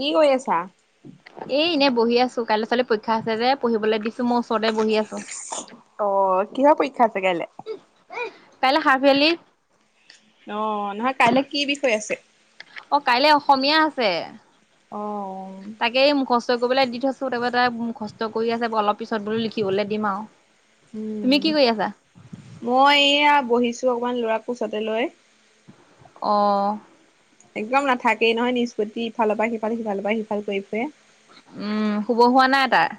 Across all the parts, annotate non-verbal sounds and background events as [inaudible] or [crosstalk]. কি কৰি আছা এ এনেই বহি আছো কাইলৈ ছোৱালী পৰীক্ষা আছে যে পঢ়িবলৈ দিছো মই ওচৰতে বহি আছো । অঁ কিহৰ পৰীক্ষা আছে কাইলৈ? কাইলে হাফিলি। অঁ নহয় কাইলৈ কি বিষয় আছে অঁ কাইলে অসমীয়া আছে অ', তাকেই মুখস্থ কৰিবলৈ দি থৈছো তাই কষ্ট কৰি আছে অলপ পিছত বোলো লিখিবলৈ দিম আৰু তুমি উম কি কৰি আছা মই এইয়া বহিছো অকমান লৰা কোচতে লৈ অঁ একদম নাথাকেই নহয় নিষ্পত্তি ইফালৰ পৰা সিফাল সিফালৰ পৰা সিফাল কৰি ফুৰে উম শুব হোৱা নাই তাৰ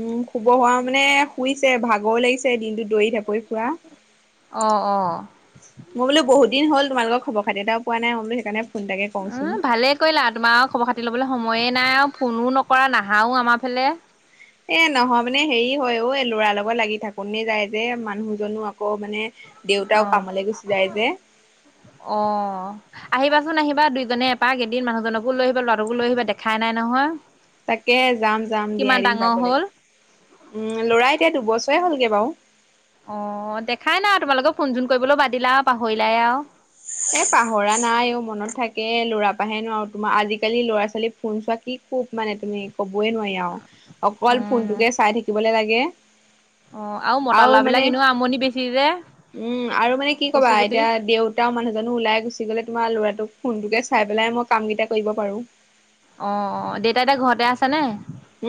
উম শুব হোৱা মানে শুইছে ভাগৰ লাগিছে দিনটো দৰি ঢাপৰি ফুৰা মই অ অ বোলো বহুত দিন হ'ল তোমালোকৰ খবৰ খাতি এটাও পোৱা নাই মই বোলো সেইকাৰনে উ ভালে কৰিলা আৰু তোমাৰ খবৰ খাতি ল'বলৈ সময় মইয়ে নাই আৰু ফোনো নকৰা নাহাও আমাৰ ফালে এ নহয় মানে হেৰি হয় লৰা লগত লাগি থাকো নে যায় যে মানুহজনো আকৌ মানে অ দেউতাও কামলৈ গুচি যায় যে অ আহিবাচোন আহিবা দুইজনে এপাক এদিন মানুহজনকো লৈ আহিবা ল'ৰাকো লৈ আহিবা দেখাই নাই নহয় তাকে যাম যাম দিয়া কিমান এদিন ডাঙৰ যাব হ'ল লাগিব উম ল'ৰা এতিয়া দুবছৰ ই হ'লগৈ বাৰু অ দেখাই না তোমালোকে ফোন চোন কৰিবলৈ বাদিলা পাহৰিলাই আৰু এ পাহৰা নাই অ মনত থাকে ল'ৰা পৰাহেন নোৱাৰোঁ আৰু তোমাৰ আজিকালি ল'ৰা ছোৱালী ফোন চোৱা কি খুব মানে তুমি ক'বই নোৱাৰি আৰু অকল ফোনটোকে চাই থাকিবলৈ লাগে লাগে অ আৰু মতা ল'ৰা বিলাক এনেও আমনি বেছি যে কচু কুটি মানুহ জনু ওলাই গুচি গ'লে তোমাৰ লৰাটোক ফোনটোকে চাই পেলাই মই কাম কেইটা কৰিব পাৰো অ দেউতা ঘৰতে আছ নে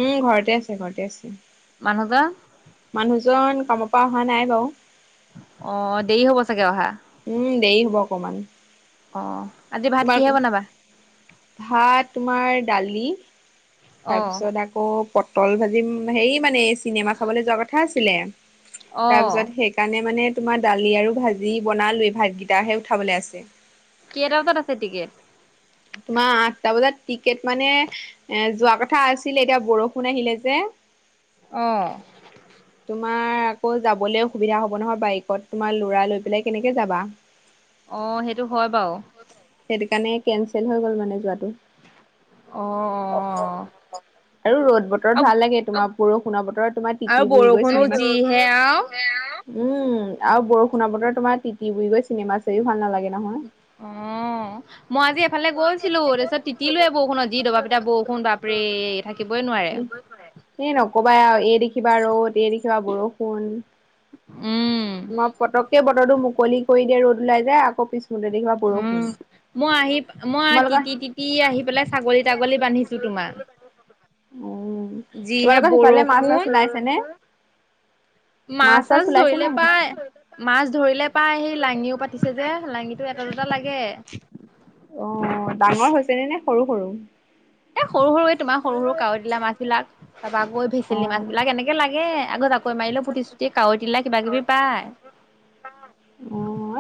উম ঘৰতে আছে ঘৰতে আছে মানুহজন? মানুহজন কামত পা অহা নাই বাৰো অ দেৰি হ'ব চাগে অহা উম দেৰি হ'ব অকমান অ আজি ভাত তোমাৰ কিহে বনাবা? ভাত তোমাৰ দালি তাৰ অ', পিছত আকৌ প তল ভাজিম হেৰি মানে চিনেমা চাবলৈ যোৱা কথা আছিলে তাৰ অ', পিছত সেইকাৰণে মানে তোমাৰ দালি আৰু ভাজি বনালৈ ভাতকেইটাহে উঠাবলৈ আছে কেইটা বজাত আছে টিকেট তোমাৰ আঠটা বজাত টিকেট মানে এ যোৱা কথা আছিলে এতিয়া বৰষুণ আহিলে যে অঁ তোমাৰ আকৌ যাবলৈ অসুবিধা হ'ব নহয় বাইকত তোমাৰ ল'ৰা লৈ পেলাই কেনেকে যাবা অ সেইটো হয় বাৰু সেইটো কাৰণে কেনঞ্চেল হৈ গ'ল মানে যোৱাটো অ অ আৰু ৰ'দ বতৰত আৰু ভাল লাগে তোমাক বৰষুণৰ বতৰত তোমাৰ আৰু টিতি বুৰি বৰষুণো গৈছিলে যিহে আৰু। ন উম আৰু বৰষুণৰ বতৰ তোমাৰ তিতি বুলি গৈ চিনেমা চাৰও ভাল নালাগে নহয়। অ মই আজি এফালে ই গৈছিলো তাৰপিছত নকবা তিতিলোৱে আৰু বৰষুণত যি দবা এই পিটা বৰষুণ দেখিবা বাপৰে ৰ'দ থাকিবই এই নোৱাৰে। কা বৰষুণ মই পতককে ব বতৰটো মুকলি কৰি উম দিয়ে ৰ'দ লাই যায় আকৌ পিছত শুে উম দেখিবা মই আহি বৰষুন মই তিতি তিতি আহি পেলাই ছাগলী তাগলী বান্ধিছো তোমাৰ উ যিহে তোমালোকৰ সিফালে মাছ মাছ বৰষুণ ওলাইছে নে মাছ চাছ ধৰিলে পাই মাছ ধৰিলে পাই সেই লাঙিও পাতিছে যে লাঙিটো এটা দুটা লাগে অ ডাঙৰ হৈছে নে নে সৰু সৰু এ সৰু সৰুৱে তোমাৰ সৰু সৰু কাৱৈ দিলা মাছ বিলাক ত গৈ অ অ ভেচেলি মাছবিলাক এনেকে লাগে আগত আকৈ মাৰিলেও পুতি চুতি কাৱৈ তিলা কিবা কিবি পায়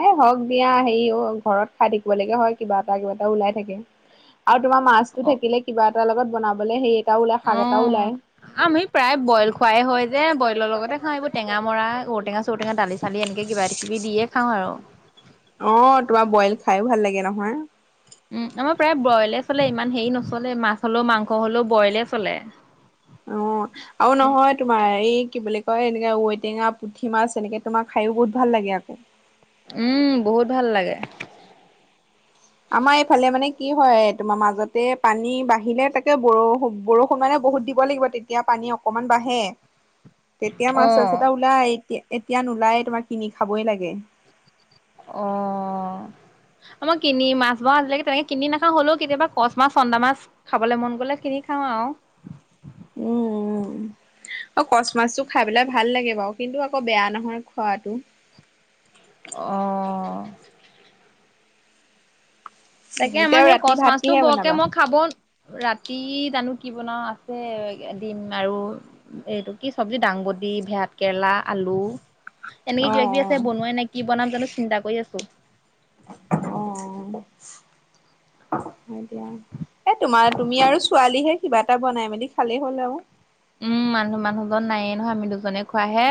এই হওক দিয়া হেৰিও ঘৰত খাই থাকিব লকে হয় কিবা এটা কিবা এটা ওলাই থাকে আৰু তোমাৰ মাছ অ থাকে কিবা এটা লগত বনাব মানলে সেই এটাও ওলাই অ শাক এটাও ওলায় আমি প্ৰায় বইল খোৱাই হয় যে বইলৰ লগতে খাওঁ এইবোৰ টেঙা মৰা ঔটেঙা চঔটেঙা দালি চালি এনেকৈ কিবা কিবি দিয়ে খাওঁ হয় যওঁ অ তোমাৰ বইল খাইয়ো ভাল লাগে নহয় উম আমাৰ প্ৰায় ব্ৰইলে চলে ইমান হেৰি নচলে মাছ হলেও মাংস হলেও ব্ৰইলে চলে অ আৰু নহয় তোমাৰ এই কি বুলি কয় এনেকে ঔটেঙা পুঠি মাছ এনেকে তোমাৰ খায়ও বহুত ভাল লাগে আকৌ উম বহুত ভাল লাগে আমাৰ এইফালে মানে কি হয় তোমাৰ মাজতে পানী বাঢ়িলে তাকে ব বৰষুণ মানে বহুত দিব লাগিব তেতিয়া পানী অকনমান বাঢ়ে তেতিয়া মাছ চাছ অ', এটা ওলাই আহ এতিয়া নোলাই তোমাৰ কিনি খাবই লাগে অ আ মই কিনি মাছ ম আজিলৈকে তেনেকে কিনি নাখাওঁ হ'লেও কেতিয়াবা কচ মাছ চন্দা মাছ খাবলৈ মন গ'লে কিনি খাওঁ আৰু উম কচ মাছটো খাই পেলাই ভাল লাগে বাৰু কিন্তু আকৌ বেয়া নহয় খোৱাটো অঁ তাকে এতিয়া আমাৰ সেই ৰাতি কচ ভাত মাছটো কিহে বৰকে বনাবা? মই খাব, ৰাতি জানো কি বনাওঁ, আছে দিম আৰু এইটো কি চব্জি দাংবডি, ভাত কেৰেলা, আলু। অ এনেকে কিবা কিবি আছে অ বনোৱাই নাই কি বনাম জানো? চিন্তা কৰি আছো। অ' হয় দিয়া, এ তোমাৰ, তুমি আৰু ছোৱালীহে কিবা এটা বনাই মেলি খালেই হ'ল আৰু। উম মানুহ মানুহজন নায়ে নহয়, আমি দুজনে খোৱাহে।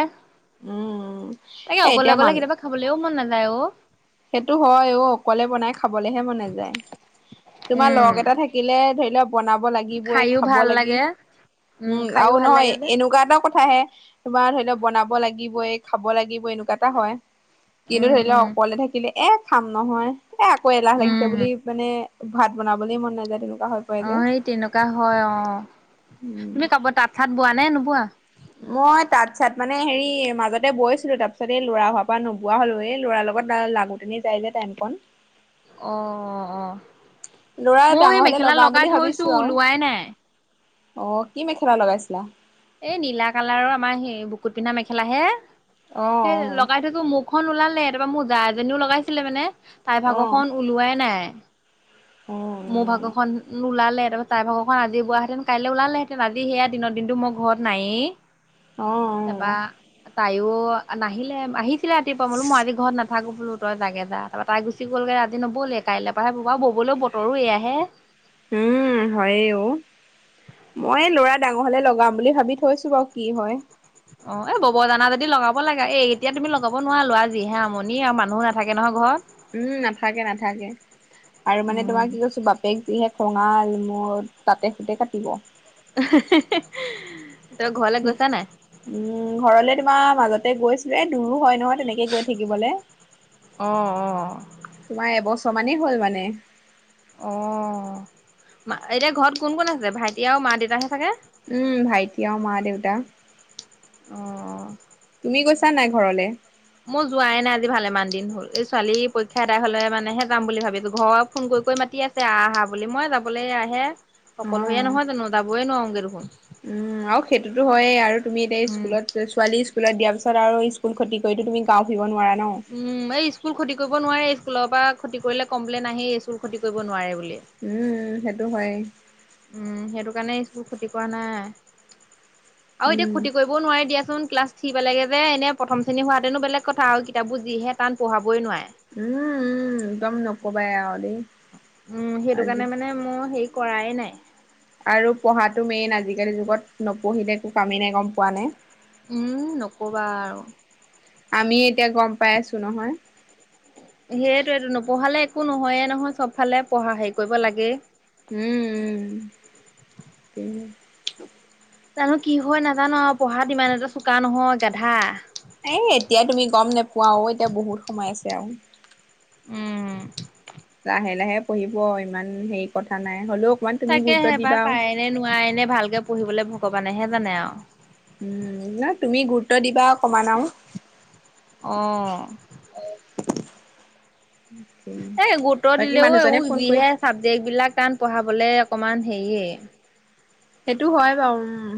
উম। তাকে এ অকলে, এতিয়া অকলে মান কেতিয়াবা খাবলেও মন নাযায়। হেল্ল' [unintelligible] সেইটো হয় অ', অকলে বনাই খাবলেহে মন নাযায়, তোমাৰ উম লগ এটা থাকিলে ধৰি লোৱা বনাব লাগিবই খাইও খাব ভাল লাগি, লাগে উম খাইও আৰু ভাল নহয় লাগে যে এনেকুৱা এটা কথা আহে তোমাৰ ধৰি লওক বনাব লাগিবই, খাব লাগিবই এনেকুৱা এটা হয়। কিন্তু উম ধৰি উম লওক অকলে থাকি এ খাম নহয়। এ আকৌ এলাহ লাগিছে উম বুলি মানে, ভাত বনাবলে মন নাযায় হৈ পৰে যে অ', সেই তেনেকুৱা হয় অ', উম তুমি কব তাঁত চাত বোৱা নে নোবোৱা? মই তাঁত চাত মানে হেৰি মাজতে বৈছিলো তাৰ পিছত এই ল'ৰা হোৱাৰ পৰা নোবোৱা হ'লো, এই ল'ৰাৰ লগত লাগু তেনেই যাই যে টাইম কন। অ', অ'। ল'ৰা ময়ো ডাঙৰ সেই হ'লে মেখেলা লগাওঁ লগাই বুলি থৈছো ভাবিছো আৰু। ওলোৱাই নাই অ', কি মেখেলা লগাইছিলা? এই নীলা কালাৰৰ, আমাৰ সেই বুকুত পিন্ধা মেখেলাহে। অ সেই লগাই থো মোৰ এখন ওলালে, তাৰপা মোৰ যা এজনীও লগাইছিলে মানে। তাই অ ভাগৰ অ খন ওলোৱাই নাই। অ', অ', মোৰ ভাগখন নোলাল ত তাইভাগৰখন আজি বোৱাহেঁতেন কাইলৈ ওলালেঁতেন আজি সেয়া দিনৰ দিনটো ম ঘৰত নাইয়ে। অ', তাপা তাই তেওঁ নাহিলে, আহি আঁহিছিলে ৰাতিপুৱা মই বোলো মই আজি ঘৰত নাথাকো বোলো তই জাগে যা, তাৰপৰা তাই গুচি গলগে আজি নব'লে কাইলৈ পৰাহে বৱ আৰু ববলৈ বতৰো এয়া হে। উম হয়েওঁ, মই ল'ৰা ডাঙৰ হলে লগাম বুলি ভাবি থৈছো বাৰু, কি হয়। অ', এ বব জানা যদি লগাব লাগে, এই এতিয়া তুমি লগাব নোৱাৰা ল'ৰা যিহে আমনি আৰু মানুহো নাথাকে নহয় ঘৰত। উম নাথাকে, নাথাকে আৰু মানে উম তোমাৰ কি কৈছো বাপেক যিহে [unintelligible] তাতে সুতে কাটিব [unintelligible] গৈছা নাই উম ঘৰলে। মাৰ মাজতে গৈছিলো এ দূৰ হয় নহয় তেনেকে গৈ থাকিবলৈ অ অ তোমাৰ এবছৰ। সমানেই হ'ল মানে। অঁ মা এতিয়া ঘৰত কোন -কোন আছে ভাইটি আৰু মা দেতাহে থাকে। উম ভাইটি আৰু মা দেউতা। অ' তুমি গৈছা নাই ঘৰলে? মই যোৱাই নাই আজি ভালেমান দিন হ'ল এই ছোৱালী পৰীক্ষা এদাই হলে মানেহে যাম বুলি ভাবিছো ঘৰত ফোন কৰি কৰি মাতি আছে আহ আহ বুলি মই যাবলে আহে অকলশৰীয়া অ', নহয় জানো। [unintelligible] দেখোন উম আৰু সেইটোতো হয়েই আৰু তুমি এতিয়া ইস্কুলত ছোৱালী স্কুলত দিয়া পাছত আৰু ই স্কুল ক্ষতি কৰিটো তুমি গাও ফুৰিব নোৱাৰা। ন। উম এই স্কুল ক্ষতি কৰিব নোৱাৰে। স্কুলৰ পৰা ক্ষতি কৰিলে কমপ্লেইন আহেই ইস্কুল ক্ষতি কৰিব নোৱাৰে বুলি উম সেইটো হয়। [inaudible] উম সেইটো কাৰণে ইস্কুল ক্ষতি কৰা নাই। আৰু এতিয়া উম, ক্ষতি কৰিবও নোৱাৰে দিয়াচোন। ক্লাছ থ্ৰী পেলেগে যে এনে প্ৰথম শ্ৰেণী হোৱাহেতেনো বেলেগ কথা আৰু কিতাপবোৰ যিহে তান পঢ়াব উম উম [unintelligible] ক'বাই হ'লে উম সেইটো কাৰণে মানে মই সেই। কৰাই নাই। আৰু পঢ়াটো মেইন আজিকালি যুগত নপঢ়িলে একো কামেই নাই গম পোৱা নে। উম নকবা আৰু। আমি এতিয়া গম পাই আছো নহয়। সেইটোৱেটো এইটো নপঢ়ালে একো নহয়ে নহয় চব ফালে পঢ়া হেৰি কৰিব লাগেই উম, জানো কি হয় নাজানো আৰু পঢ়াত ইমান এটা চোকা নহয় গাধা। এ এতিয়া তুমি গম নোপোৱা ও এতিয়া বহুত সময় আছে আৰু। উম, লাহে লাহে পঢ়িব ইমান হেৰি কথা নাই হ'লেও অকমান তুমি তাকে গুৰুত্ব দিবা হেবাৰ আৰু। পায় ন নোৱায় নে ভালকে পঢ়িবলৈ ভগৱান। মানেহে জানে আৰু। উম না তুমি । অট দিবাকমানা আৰু অঁ- [unintelligible] এ' গুৰুত্ব বাকী দিলেও মানুহজনে এইবোৰ ফোন যিহে কৰিছে চাবজেক্ট বিলাক টান পঢ়াবলে অকমান হেইয়ে। হেটো হয় বাৰু উম্‌।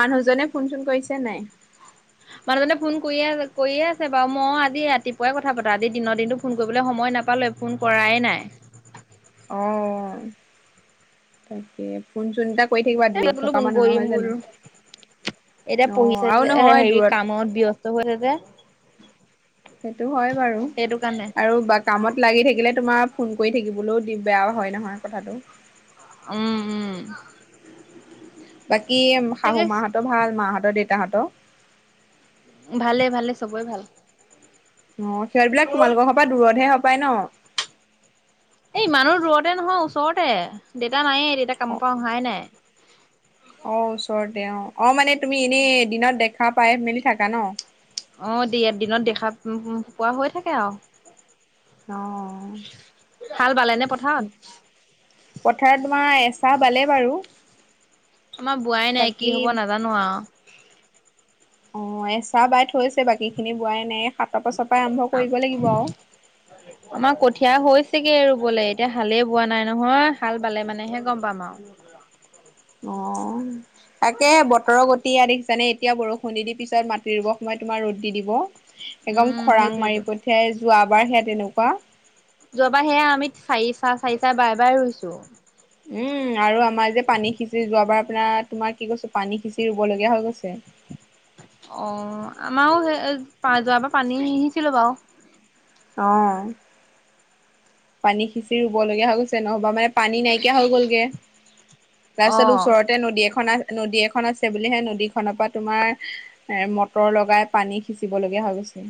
মানুহজনে ফোন চোন কৰিছে নাই? মানুহজনে ফোন কৰিয়ে আছে- কৰিয়ে আছে বাও। মই আজি ৰাতিপুৱাই কথা পাতা। আজি দিনৰ দিনটো ফোন কৰিবলৈ সময় নাপালোৱে, ফোন কৰায়ে নাই। অ'- তাকে। ফোন চোনটাক এ' তাক বোলো ফোন কৰিম বোলো। এতিয়া অ' পঢ়িছে আৰু যে, এ' নহয় হেৰি দূৰত কামত ব্যস্ [unintelligible] সেইটো হয় বাৰু। কাৰণে আৰু বা কামত লাগি থাকিলে তোমাৰ ফোন কৰি থাকিবলৈও দি বেয়া হয় নহয় কথাটো। উম' উম'। বাক্‌ ইয়েম্‌ শাহু তাকে মাহঁতৰ ভাল, মাহঁতৰ দেত তাহাঁতৰ ভালে-ভালে চবয়ে ভাল। অঁ' সিহঁতবিলাক তোমালোকৰ ঘৰৰ পৰা দূৰতহে হব্‌ পায় ন? এ' ইমানো দূৰতে নহয়, ওচৰতে। দেতা নায়ে দেতা কাম পা অহাই নাই। অ' ওচৰতে অঁ। অঁ মানে তুমি এনেই দিনত দেখা পাই মেলি থাকা ন? অ দিয়াত-দিনত দেখা-পোৱা হৈ থাকে আও। অ' হাল বালেনে পথাৰত? পথাৰত তোমাৰ এচাহ বালে বাৰু! আমাৰ বোৱাই নাই, কি বাকী হব নাজানোঁ আও। অঁ এচাহ বাই থৈছে বাকী খিনি বোৱাই নাই। এ' সাতৰ পাছত আম্‌- আমাৰ কঠীয়া হৈছ তিকেই ৰুবলে। এতিয়া হালেই বোৱা নাই নহয়, হাল বালে মানেহে গম পাম আও। অঁ, তাকেহে বতৰৰ গতি এইয়া দেখিছানে এতিয়া বৰষুণ দি দি পিছত মাটি ৰুব সময় তোমাৰ ৰ'দ দি দিব এগং উম খৰাং সেইটোয়েতো মাৰি পঠিয়াই যোৱাবাৰ সেয়া তেনেকুৱা যোৱাবাৰ সেয়া আমি চাৰি চাহ চাৰি চাহ বাই বাই ৰুইছো উম্‌'- আৰু আমাৰ যে পানী সিঁচি যোৱাবাৰ আপোনাৰ, তোমাৰ কি কৈছোঁ, পানী সিঁচি ৰুব লগীয়া হৈ গৈছে। অ', আমাও হেই-পা-যোৱাবাৰ পানী আহিছিলে বাও। অঁ- পানী সিঁচি ৰুব লগীয়া হৈ গৈছে। নহ'বা আমা ইয়াত পানী নাইকিয়া হৈ গ'লগে। তাৰছত অ ওচৰতে নদী এখন আছ্‌ নদী এখন আছে বুলিহে, নদীখনপা তোমাৰ- মটৰ লগাই পানী সিঁচিবলগীয়া হৈ গৈছে।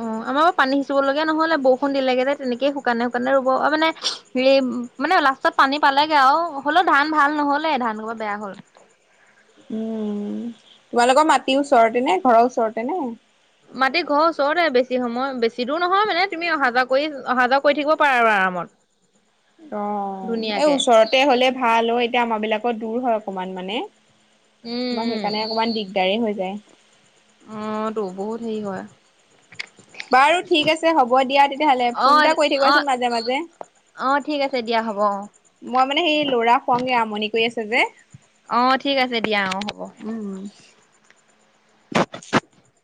অঁ, আমাও পানী সিঁচিব লগীয়া ন'হলে বৰষুণ দিলেগে যে, তেনেকেই শুকানে শুকানে ৰুব -অ' মানে- হেৰি- মানে লাষ্টত পানী পালেগে আও, হ'লেও ধান ভাল ন'হলে, ধান সোপা বেয়া হ'ল। উম', তোমালোকৰ মাটিৰ ওচৰতে নে? ঘৰৰ ওচৰতে নে? মাটি ঘৰ ওচৰতে বেছি সময়, বেছি দূৰ নহয় মানে তুমি অহা যোৱা কৰি, অহা যোৱা কৰি থাকিব পাৰা আৰু আৰামত। অ', এই ধুনীয়াকে ওচৰতে হলে ভাল অ', এতিয়া আমাৰ বিলাকৰ দূৰ হয় অকণমান মানে তোমাৰ উম সেইকাৰণে অকণমান দিগদাৰে হৈ যায় অ', তো বহুত হেৰি হয়। বাৰু ঠিক আছে হ'ব দিয়া তেতিয়াহলে, অ ফোন এটা কৰি অ থাকিবাচোন মাজে মাজে, অ ঠিক আছে দিয়া হ'ব অ। মই মানে হেই লৰা শুৱাওগে আমনি কৰি আছে। যে অ', ঠিক আছে দিয়া অ', হ'ব। উম, উম। [inaudible]